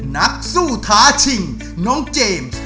นักสู้ท้าชิงน้องเจมส์